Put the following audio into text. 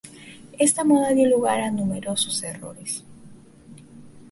Esta moda dio lugar a numerosos errores.